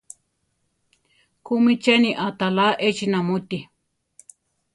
¿Kúmi cheni aʼtalá échi namúti?